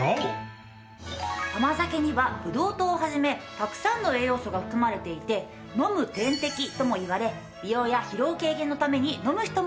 甘酒にはブドウ糖を始めたくさんの栄養素が含まれていて飲む点滴ともいわれ美容や疲労軽減のために飲む人もいるの。